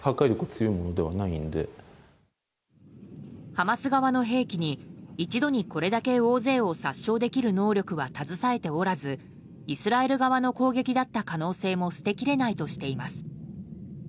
ハマス側の兵器に一度に、これだけ大勢を殺傷できる能力は携えておらずイスラエル側の攻撃だった可能性も捨てきれないとしています。